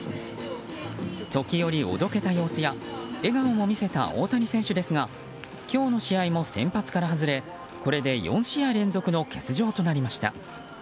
時折、おどけた様子や笑顔も見せた大谷選手ですが今日の試合も先発から外れこれで４試合連続の欠場となりました。